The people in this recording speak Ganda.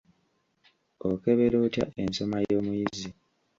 Okebera otya ensoma y'omuyizi?